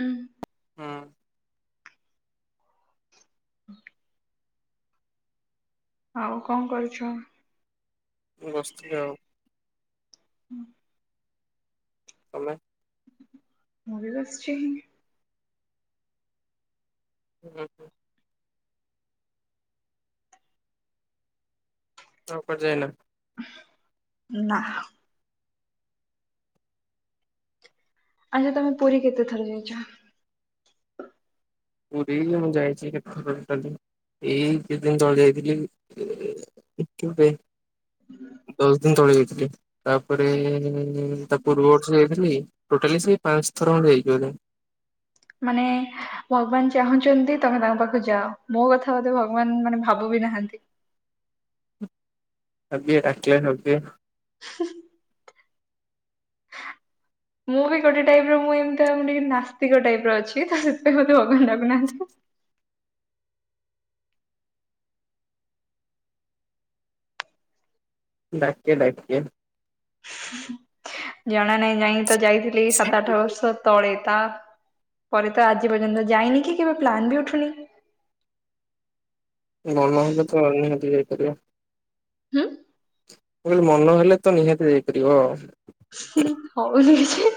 ହୁଁ ହୁଁ। [inaudible] ଆଉ କଣ କରୁଛ? ବସ୍ ଥିଲି ଆଉ। ହୁଁ। ତମେ? ମୁଁ ବି ବସଛି। ହୁଁ। ଆଉ କୁଆଡେ ଯାଇନା? ନା। ଆଚ୍ଛା ତମେ ପୁରୀ କେତେ ଥର ଯାଇଛ? [unintelligible] ମୁଁ ଯାଇଛି କେତେ ଥର ଟୋଟାଲି ଏଇ କେତେ ଦିନ ତଳେ ଯାଇଥିଲି। କେବେ ଦଶ ଦିନ ତଳେ ଯାଇଥିଲି ତାପରେ ତାପ ପୂର୍ବ ଥିଲ ଟୋଟାଲି ସେ ପାଞ୍ଚ ଥର ଖଣ୍ଡେ ଯାଇଛି ବୋଧେ। ମାନେ ଭଗବାନ ଚାହୁଁଛନ୍ତି ତମେ ତାଙ୍କ ପାଖକୁ ଯାଅ ମୋ କଥା ବୋଧେ ଭଗ ବାନ ମାନେ ଭାବୁ ବିି ନାହାନ୍ତି ଆ ବି ରାକିଲ ହଉଛି। [unintelligible] [inaudible] ମୁଁ ବି ଗୋଟେ ଟାଇପର ମୁଁ ଏମିତି ଆ ଟିକେ ନାସ୍ତିକ ଟାଇପର ଅଛି ସେଥି ପାଇଁ ମୋତେ ଭଗବାନ ଡାକୁନାହାନ୍ତି। ଡାକିବେ ଡାକିବେ। ଜଣା ନାହିଁ ଯାଇ ତ ଯାଇଥିଲି ସାତ ଆଠ ବର୍ଷ ତଳେ ତା ପରେ ତ ଆଜି ପର୍ଯ୍ୟନ୍ତ ଯାଇନି କି କେବେ ପ୍ଲାନ୍ ବି ଉଠୁନି [unintelligible] ଗର୍ମ ହେଲେ ତ ନିହାତି ଯାଇପାରିବା [unintelligible] ହୁଁ। ମୁଁ କହିଲି ମନ ହେଲେ ତ ନିହାତି ଯାଇପାରିବ ଆଉ ସେ ହଉନ କିଛି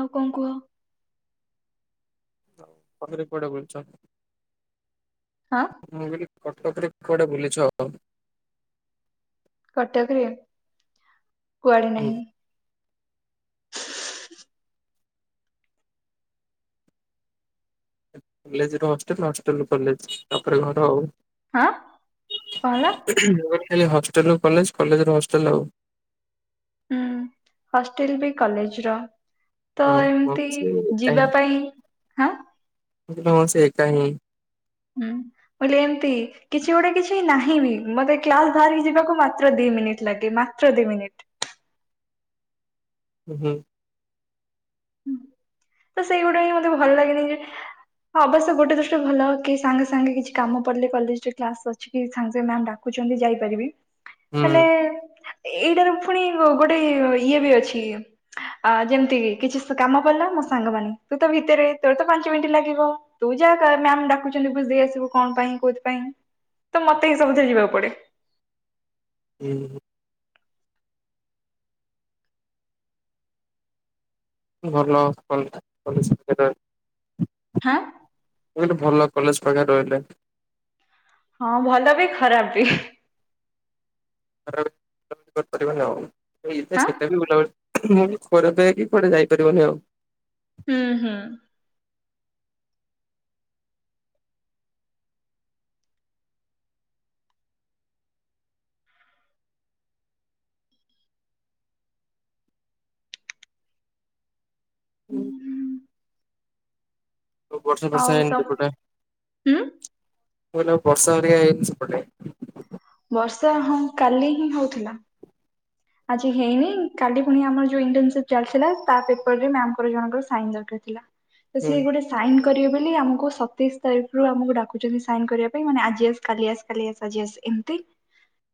ଆଉ କଣ କୁହ? [unintelligible] ପାଖ କଟେ ବଛ [inaudible] ହଁ। ମୁଁ କହିଲି କଟକରେ କୁଆଡେ ବୁଲିଛ? [unintelligible] କଟକରେ କୁଆଡେ ହୁଁ ନାହିଁ। କଲେଜରୁ ହଷ୍ଟେଲ ହଷ୍ଟେଲରୁ କଲେଜ ତାପରେ ଘର ଆଉ ଆଁ କଣ ହେଲା। ଖାଲି ହଷ୍ଟେଲରୁ କଲେଜ କଲେଜରୁ ହଷ୍ଟେଲ ଆଉ। ହୁଁ ହଷ୍ଟେଲ ବି କଲେଜର ତ ହଁ ହଁ ଏମିତି ସେ ଏକା ହିଁ ଯିବା ମୁଁ ପାଇଁ ହଁ [unintelligible] ସେ ଏକା ହିଁ। ହୁଁ ବୋଲେ ଏମତି କିଛି ଗୋଟେ କିଛି ନାହିଁ ବି ମତେ କ୍ଲାସ ବାହାରିକି ଯିବାକୁ ମାତ୍ର ଦି ମିନିଟ୍ ଲାଗେ ମାତ୍ର ଦି ମିନିଟ୍ ହୁଁ। ତ ସେଇଗୁଡା ହିଁ ମତେ ଭଲ ଲାଗେନି ଯେ ହଁ ଅବଶ୍ୟ ଗୋଟେ ଦୃଷ୍ଟି ଭଲ କି ସାଙ୍ଗେ ସାଙ୍ଗେ କିଛି କାମପଡ଼ିଲେ କଲେଜରେ କ୍ଲାସ କରେ ସାଙ୍ଗେ ସାଙ୍ଗେ ମ୍ୟାମ୍ ଡାକୁଛନ୍ତି ଯାଇପାରିବି ହୁଁ ହେଲେ ଏଇଟାର ପୁଣି ଗୋଟେ ଇଏ ବି ଅଛି ଅ ଯେମିତି କି କିଛି କାମ ପଡିଲା ମୋ ସାଙ୍ଗମାନୋନ ତୁ ତ ଭିତରେ ତୋର ତ ପାଞ୍ଚ ମିନିଟ ଲାଗିବ। ତୁ ଯାହା ମ୍ୟାାମ ଡାକୁଛନ୍ତି ବୁଝ ଦେଇ ଆସିବୁ କଣ ପାଇଁ କୋଉଥି ପାଇଁ ତ ମତେ ହିଁ ସବୁଥିରେ ଯିବାକୁ ପଡେ। ହୁଁ। ଭଲ [unintelligible] ଆଁ। ମୁଁ କହିଲି ଭଲ କଲେଜ ପାଖରେ ରହିଲେ। ହଁ ଭଲ ବି ଖରାପ ବି। କରିବାର ଆଉ ହାଁ ସେତେ ବି ବୁଲାବୁଲି ମୁଁ ପରେେ ପ କି ପରେଆଡେ ଯାଇପାରିବନି ଆଉ। ହୁଁ ହୁଁ। ହୁଁ। ବର୍ଷା ଫର୍ଷା ଆଉ ହେଇନି ତ ସେପଟେ ହୁଁ ମୁଁ କହିଲି ଆଉ ବର୍ଷା ଘରିଅ ହେଇନି ସେପଟେ। ବର୍ଷା ହଁ କାଲି ହିଁ ହଉଥିଲା। ଆଜି ହେଇନି କାଲି ପୁଣି ଆମର ଯୋଉ ଇଣ୍ଟସି ଚାଲିଥିଲା ତା ପେପର ରେ ମ୍ୟାମଙ୍କର ଜଣଙ୍କର ସାଇନ ଦରକାର ଥିଲା। ତ ହୁଁ ସିଏ ଗୋଟେ ସାଇନ୍ କରିବେ ବୋଲି ଆମକୁ ସତେଇଶ ତାରିଖରୁ ଆମକୁ ଡାକୁଚଛନ୍ତି ସାଇନ୍ କରିବା ପାଇଁ ମାନେ ଆଜି ଆସ କାଲି ଆସ କାଲି ଆସ ଆଜି ଆସ। ଏମତି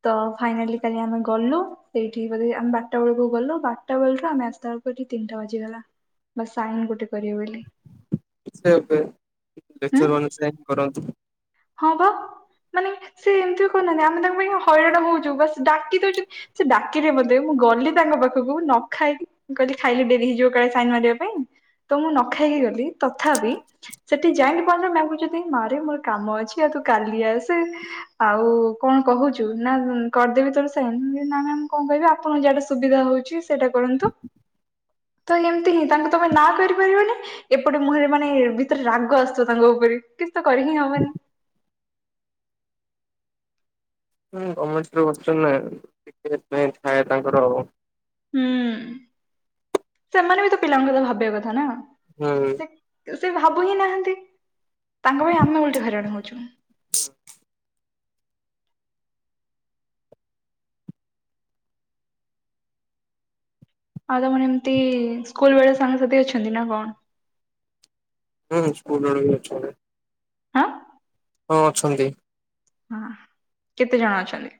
ତ ଫାଇନାଲି କାଲି ଆମେ ଗଲୁ। ସେଇଠି ବୋଧେ ଆମ ବାରଟା ବେଳକୁ ଗଲୁ ବାରଟା ବେଳଠୁ ଆମେ ଆସିଲା ବେଳକୁ ଏଠି ତିନିଟା ବାଜିଗଲା। ବାସ ସାଇନ ଗୋଟେ କରିବି ବୋଲି। ସେ ଏବେ ହୁଁ। ଲେକ୍ଚର ମାନେ ସାଇନ୍ କରନ୍ତୁ। ହଁ ବା ମାନେ ସେ ଏମିତି କହୁନାହାନ୍ତି ଆମେ ତାଙ୍କ ପାଇଁ ହଇରାଣ ହଉଛୁ ବାସ୍ ଡାକି ଦଉଛନ୍ତି ସେ ଡାକିଲେ ମୋତେ ମୁଁ ଗଲି ତାଙ୍କ ପାଖକୁ ନ ଖାଇକି ମୁ କହିଲି ଖାଇଲେ ଡେରି ହେଇଯିବ କାଳେ ସାଇନ ମାରିବା ପାଇଁ। ତ ମୁଁ ନ ଖାଇକି ଗଲି ତଥାପି ସେଠି ଯାଇକ ପ କହୁଛନ୍ତି ମାରେ ମୋର କାମ ଅଛି ଅଛି ତୁ କଲି ଆସେ। ଆଉ କଣ କହୁଛୁ ନା କରିଦେବି ତୋର ସୋଇନ ନା ମ୍ୟାମ କଣ କହିବି ଆପଣଙ୍କ ଯାହାଟା ସୁବିଧା ହଉଛି। ସେଇଟା କରନ୍ତୁ ତ ଏମତି ହିଁ ତାଙ୍କୁ ତମେ ନା କରିପାରିବନି। ଏପଟେ ମୁହଁରେ ମାନେ ଭିତରେ ରାଗ ଆସୁଥବ ତାଙ୍କ ଉପରେ କିଛି ତ କରିହିଁ ହବନି। ହୁଁ ଗମେଣ୍ଟରେ ବସିଛନ୍ତି ନାଁ ଟିକେଁ ଥାଏ ତାଙ୍କର ଆଉ। ହୁଁ ସେମାନେ ବି ତ ପିଲାଙ୍କ କଥା ଭାବିବା କଥା ନା। ହୁଁ। ସେ ସେ ଭାବୁ ହିଁ ନାହାନ୍ତି ତାଙ୍କ ପାଇଁ ଆମେ ଓଲିଟି ହଇରାଣ ହଉଛୁ। ଆଉ ତମମାନେ ଏମିତି ସ୍କୁଲ ବେଳେ ସାଙ୍ଗସାଥି ଅଛନ୍ତି ନା କଣ। ହଁ ସ୍କୁଲ ଆଡେ ବି ଅଛନ୍ତି। ଆଁ ହଁ ଅଛନ୍ତି। ଓହୋ କେତେ ଜଣ ଅଛନ୍ତି?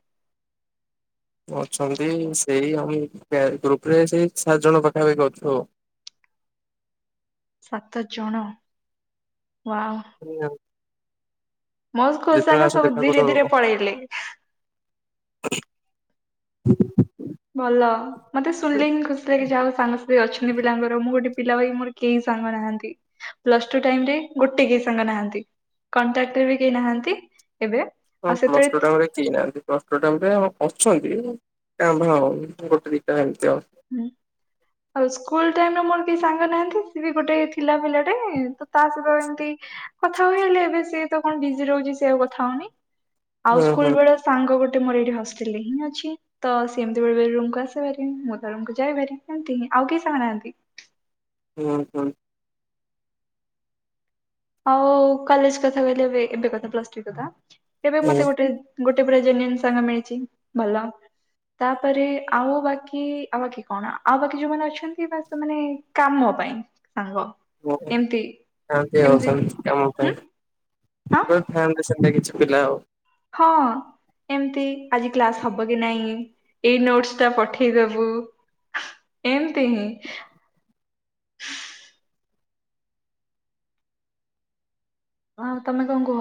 ଅଛନ୍ତି ସେଇ ଆମ ଗ୍ରୁପ ରେ ସେଇ ସାତ ଜଣ ପାଖାପାଖି ଅଛୁ ଆଉ। ସାତ ଜଣ ୱାଉ। ହ୍ନ ଆଉ। ମୋ ସ୍କୁଲ ଯେତେବେଳେ ସାଙ୍ଗ ଆସ ସବୁ ଦେଖା କର ଧୀରେ ଆଉ। ଧୀରେ ପଳେଇଲେ। [unintelligible] ଭଲ ମତେ ଶୁିନିଲେ ହିଁ ଖୁସି ଲାଗେ ଯାହାହଉ ସାଙ୍ଗସାଥି ଅଛନ୍ତି ପିଲାଙ୍କର ମୁଁ ଗୋଟେ ପିଲା ଭାଇ ମୋର କେହି ସାଙ୍ଗ ନାହାନ୍ତି। ପ୍ଲସଟୁ ଟାଇମରେ ଗୋଟେ କେହି ସାଙ୍ଗ ନାହାନ୍ତି କଣ୍ଟ୍ରାକ ରେ ବି କେହି ନାହାନ୍ତି ଏବେ। ହଁ ଆଉ ପ୍ଲସ ଟୁ ଟା ସେତେବେଳେ ଭାରି ତି ନାହାନ୍ତି ପ୍ଲସ ଟୁ ଗୋଟେ ଅ ଅଛନ୍ତି କା ମ୍ଭା ଗୋଟେ ଦିଟା ଏମତି ଆଉ। ହୁଁ ଆଉ ସ୍କୁଲ ଟାଇମରେ ମୋର କେହି ସାଙ୍ଗ ନାହାନ୍ତି ସେ ବି ଗୋଟେ ଥିଲା ପିଲାଟେ ତା ସହିତ ଏମତି କଥା ହୁ ହେଲେ ଏବେ ସିଏ ତ କଣ ବିଜି ରହୁଛି ସିଏ ଆଉ କଥା ହଉନି। ଆଉ ହୁଁ ହୁଁ ସ୍କୁଲବେଳେ ସାଙ୍ଗ ଗୋଟେ ମୋର ଏଇଠି ହଷ୍ଟେଲରେ ହିଁ ଅଛି ତ ସେମିତି ବେଳେ ବଳେ ରୁମୁକୁୁ ଆସେ ଭାରି। ତା ରୁମକୁ ଯାଏଭାରି ଏମିତି ଆଉ କିଏ ସାଙ୍ଗ ନାହାନ୍ତି। ହୁଁ ହୁଁ। ଆଉ କଲେଜ କଥା କହିଲେ ଏବେ ଏବେ କଥା ପ୍ଲସ ଥ୍ରି କଥା। ଏବେ ମତେ ଗୋଟେ ଗୋଟେ ପୁରା ଜେନ୍ୟୁନ୍ ସାଙ୍ଗ ମିଳିଛି ଭଲ। ତାପରେ ଆଉ ବାକି ଆଉ ବାକି କଣ ଆଉ ବାକି ଯୋଉମାନେ ଅଛନ୍ତି ବା ସେମାନେ କାମ ପାଇଁ ସାଙ୍ଗ ଆଜ୍ଞା। ଏମତି। ଆଉ କେ ଅଛନ୍ତି କାମ ପାଇଁ। ହଁ ଗୁରେ ଥାଆନ୍ତି ସେମିତି କିଛି ପିଲା ଆଉ। ହଁ। ଏମତି ଆଜି କ୍ଲାସ ହବ କି ନାହିଁ ଏଇ ନୋଟସ ଟା ପଠେଇଦବୁ। ଏମିତି ହି। ହଁ ତମେ କଣ କୁହ?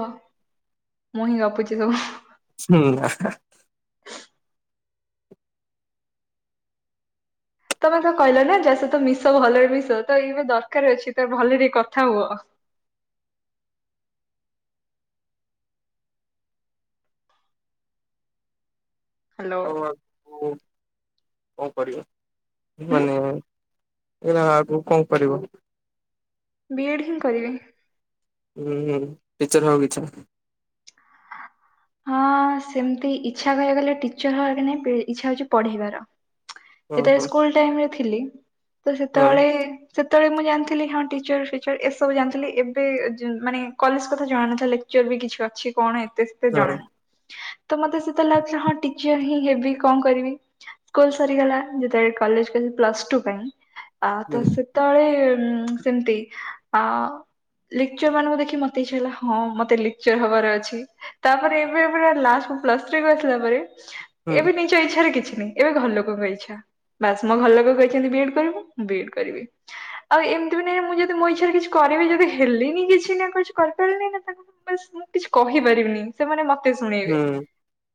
ମୁଁ ହିଁ ଗପୁଛିି ସବୁ। ହୁଁ ଆହା। ତମେ ତ କହିଲ ନା ଯାହା ସହିତ ମିଶ ଭଲରେ ମିଶ। ତ ଏବେ ଦରକାର ଅଛି ତ ଭଲରେ କଥା ହୁଅ। [inaudible] ହ୍ୟାଲୋ କଣ କରିବ ହୁଁ ମାନେ? ଏଇନା ଆଗକୁ କଣ କରିବ? ବି ଏଡ଼୍ ହିଁ କରିବି। ହୁଁ ହୁଁ ଟିଚର ହବା କୁ ଇଚ୍ଛା। ହଁ ସେମତି ଇଛା କହୀବାକୁ ଗଲେ ଟିଚର ହବାକେ ନାଇଁ ଇଛା ହଉଛି ପଢେଇବାର। ହଁ ଯେତେବେଳେ ହଁ ସ୍କୁଲ ଟାଇମରେ ଥିଲି ତ ହଁ ସେତେବେଳେ ସେତେବେଳେ ମୁଁ ଜାଣିଥିଲି ହଁ ଟିଚର ଫିଚର ଏସବୁ ଜାଣିଥିଲି ଏବେ ଯେ ମାନେ କଲେଜ କଥା ଜଣାନଥିଲେ ଚର ବି କିଛି ଅଛି କଣ ଏତେ ସେତେ ହଁ ଜଣେ ନାହିଁ। ତ ମତେ ସେତେଲ ଲାଗୁଥିଲା ହଁ ଟିଚର ହିଁ ହେବି କଣ କରିବି ସ୍କୁଲ ସରିଗଲା। ଯେତେବେଳେ କଲେଜ ଗଲି ପ୍ଲସ୍ ଟୁ ପାଇଁ ଆଉ ହୁଁ ତ ସେ ତଳେ ସେମିତି ଆ ଲେକ୍ଚର ମାନଙ୍କୁ ଦେଖି ମତେଇଚ୍ଛା ହେଲା ହଁ ମତେ ଲେକ୍ଚର ହବାର ଅଛି। ତାପରେ ଏବେ ପୁରା ଲାଷ୍ଟ କୁ ପ୍ଲସ ଥ୍ରୀକୁ ଆସିଲା ପରେ ହୁଁ ଏବେ ନିଜ ଇଛାରେ କିଛି ନାହିଁ ଏବେ ଘର ଲୋକଙ୍କ ଇଚ୍ଛା। ବାସ୍ ମୋ ଘର ଲୋକ କହିଛନ୍ତି ବି ଏଡ କରିବୁ ମୁଁ ବି ଏଡ କରିବି। ଆଉ ଏମିତି ବି ନାହିଁ ମୁଁ ଯଦି ମୋ ଇଛାରେ କିଛି କରିବି ନି ବି ହେଲିନି କିଛି ନା କିଛି କରିପାରିନି ନା ତାଙ୍କୁ ବାସ୍ ମୁଁ କିଛି କହିପାରିବିନି। ସେମାନେ ମତେ ଶୁଣେଇବେ ହୁଁ।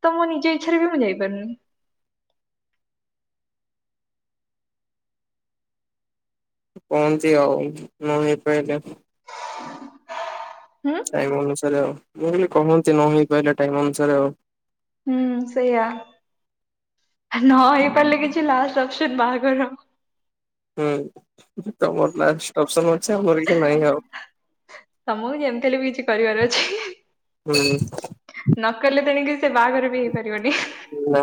ତ ମୋ ନିଜ ଇଚ୍ଛରେ ବି ମୁଁ ଯାଇପାରୁନି। କହନ୍ତି ଆଉ ନ ହେଇପାଇଲେ?। ହୁଁ। ଇବ ଅନୁସାରେ ଆଉ। ମୁଁ କହିଲି କହନ୍ତି ନ ହେଇ ପାରିଲେ ଟାଇମ୍ ଅନୁସାରେ ଆଉ। ହୁଁ ସେଇଆ ନ ହେଇପାରିଲେ କିଛି ଲାଷ୍ଟ ଅପସନ ବାହାଘରର। ହୁଁ ତମର ଲାଷ୍ଟ ଅପସନ ଅଛି ଆମର କିଛି ନାହିଁ ଆଉ। ତମକୁ ଯେମିତି ହେଲେ ବି କିଛି କରିବାର ଅଛି। ହୁଁ। ନକଲେ ତେଣିକି ସେ ବାହାଘର ବି ହେଇପାରିବନି। ନା।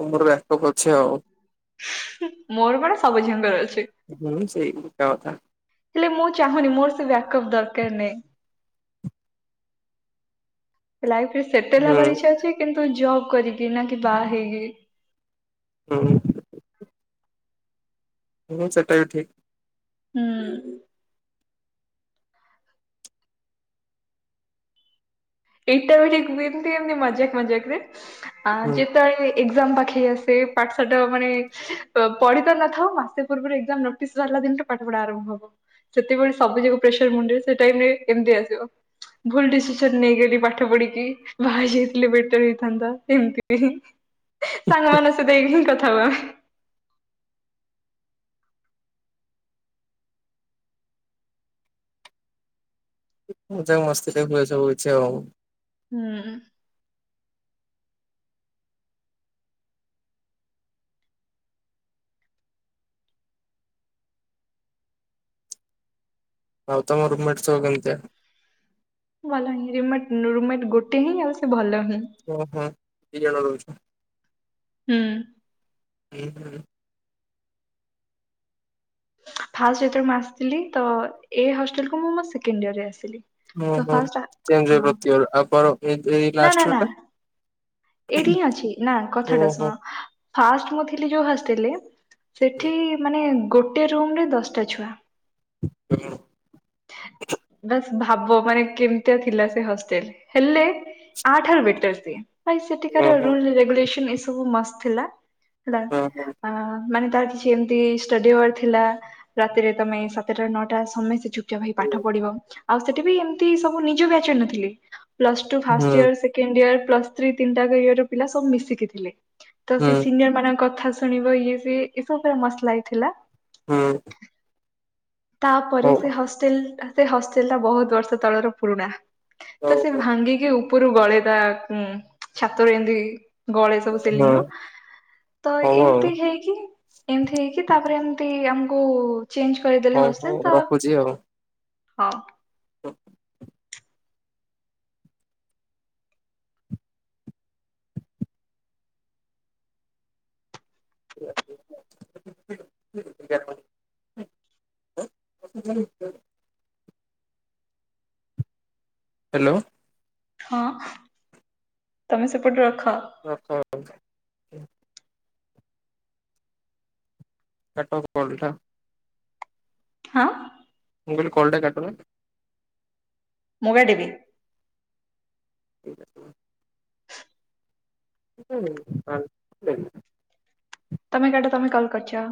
ତମର ବ୍ୟାକପ୍ ଅଛି ଆଉ। ମୋର କଣ ସବୁ ଝିଅଙ୍କର ଅଛି। ହୁଁ ସେଇ ଏକା କଥା। ହେଲେ ମୁଁ ଚାହୁଁନି ମୋର ସେ ବ୍ୟାକଅପ୍ ଦରକାର ନାହିଁ। ଲାଇଫ ରେ ସେଟେଲେ ହୁଁ ହେବାର ଇଚ୍ଛା ଅଛି କିନ୍ତୁ ଜବ୍ କରିକି ନା କି ବାହା ହେଇକି। ହୁଁ। ହୁଁ ସେଟା ବି ଠିକ୍। ହୁଁ। ଏଇଟା ବି ଟିକ ଏମିତି ଏମିତି ମଜାକ ମଜାକ ରେ ଆ ହୁଁ ଯେତେଳେ ଏକ୍ଜାମ ପାଖେଇ ଆସେ ପାଠ ଶାଟ ମାନେ ପଢି ତ ନଥାଉ ମାସେ ପୂର୍ବରୁ ଏକ୍ସାମ ନୋଟିସ୍ ବାହାରିଲା ଦିନରେ ପାଠ ପଢା ଆରମ୍ଭ ହବ। ଯେତେବେଳ ସବୁଯାକ ପ୍ରେସର ମୁଣ୍ଡ ସେ ଟାଇମ୍ ରେ କେମିତି ଆସିବ ଭୁଲ ଡିସିସନ ନେଇଗଲି। ପାଠ ପଢିକି ବାହା ହେଇ ଯାଇଥିଲେ ବେଟର ହେଇଥାନ୍ତା ଏମିତି। ସାଙ୍ଗ ମାନଙ୍କ ସହିତ ଏହିଁ କଥା ହଉ ଆମେ। ମଜା ମସ୍ତି ରେ ହୁଏ ସବୁ କିଛି ଆଉ। ହୁଁ। ଆଉ ତମ ରୁମେଟ ସବୁ କେମିତିଆ? ଭଲ ହଁ ରୁମେଟ୍ ରୁମେଟ ଗୋଟେ ହିଁ ଆଉ ସେ ଭଲ ହିଁ। ଉଁ ହୁଁ ଦି ଜଣ ରହୁଛୁ। ହୁଁ। ଉହୁଁ। ଫାଷ୍ଟ ଯେତବେଳେ ମୁଁ ଆସିଥିଲି ତ ଏ ହଷ୍ଟେଲକୁ ମୁଁ ମୋ ସେକେଣ୍ଡ ଇୟରରେ ଆସିଲି। ଓ ତ ହୋ ଫାଷ୍ଟ ଚେଞ୍ଜ ହଁ ହୁଏ ପ୍ରତି [inaudible] ନା ନା ଲାଷ୍ଟ ୟର ନା ଟା। ଏଇଠି ହିଁ ଅଛି ନା ଟା କଥାଟା ଓହୋ। ଶୁଣ ଫାଷ୍ଟ ମୁଁ ଥିଲି ଯୋଉ ହଷ୍ଟେଲ ରେ ସେଠି ମାନେ ଗୋଟେ ରୁମରେ ଦଶଟା ଛୁଆ। ଓହୋ [unintelligible] ଭାବ ମାନେ କେମିତିଆ ଥିଲା ସେ ହଷ୍ଟେଲ ହେଲେ ଆଠାରୁ ବେଟର ସିଏ। ଭାଇ ସେଠିକା ର ଓହୋ ରୁଲୁ ରେଗୁଲେଶନ ଏସବୁ ମସ୍ତ୍ ଥିଲା। ହେଲା। ଓହୋ ଅ ମାନେ ତାର କିଛି ଏମିତି ଷ୍ଟଡି ଆୱର ଥିଲା। ରାତିରେ ତମେ ସାତଟା ନଅଟା ସମୟ ଶିଯୁ ଜ ଭାଇ ପାଠ ପଢିବ ଆଉ ସେଠି ବି ଏମିତି ସବୁ ନିଜ ବ୍ୟାଚର ନଥିଲି ପ୍ଲସ ଟୁ ଫାଷ୍ଟ ହୁଁ ୟାର ସେ ସେକେଣ୍ଡ ୟାର ପ୍ଲସ୍ ଥ୍ରି ତିନି ଟା ଆଙ୍କ ୟାର ପିଲା ସବୁ ମିଶିକି ଥିଲେ ତ ହୁଁ। ସେଇ ସିନିୟର୍ ମାନଙ୍କ କଥା ଶୁଣିବ ଇଏ ସିଏ ଏସବୁ ପୁରା ମସ୍ତ ଲାଗିଥିଲା। ହୁଁ। ତାପରେ ହଉ ସେ ହଷ୍ଟେଲ ସେ ହଷ୍ଟେଲ ଟା ବହୁତ ବର୍ଷ ତଳର ପୁରୁଣା। ତ ହଁ ସେ ଭାଙ୍ଗିକି ଉପରୁ ଗଳେ ତା ଛାତରେ ଏତି। ଗଳେଇ ଦେବ ସିଲିଙ୍ଗ ହଉ ର ତ ଆଉ ଏମିତି ହେଇକି ଏମିତି ହେଇକି ତାପରେ ଏମିତି ଆମକୁ ଚେଞ୍ଜ କରିଦେଲେ ହଉ ହଉ ହଷ୍ଟେଲ ତ। ହଁ। ହଁ [unintelligible] ହୁଁ ହୁଁ [unintelligible] ହ୍ୟାଲୋ। ହଁ ତମେ ସେପଟେ ରଖ। ହ ହ। କଟ୍ ଅଫ କୋଲଟା। ହଁ। ମୁଁ କହିଲି କଲ୍ ଟା କଟୁନୁ। ମୁଗା ଟିବି। ଠିକ୍ ଅଛି। ହୁଁ [unintelligible] ତମେ କାଟ ତମେ କଲ କରିଚ।